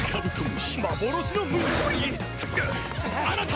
あなた！